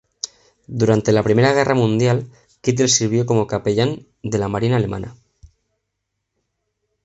Durante la primera guerra mundial, Kittel sirvió como capellán de la marina alemana.